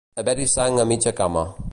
Haver-hi sang a mitja cama.